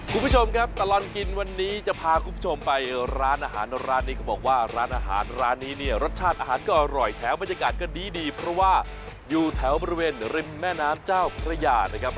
คุณผู้ชมครับตลอดกินวันนี้จะพาคุณผู้ชมไปร้านอาหารร้านนี้เขาบอกว่าร้านอาหารร้านนี้เนี่ยรสชาติอาหารก็อร่อยแถมบรรยากาศก็ดีเพราะว่าอยู่แถวบริเวณริมแม่น้ำเจ้าพระยานะครับ